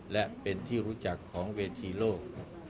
และเป็นที่รู้จักของเวทีโลก